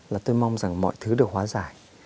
là tôi mong rằng mọi thứ được hóa giải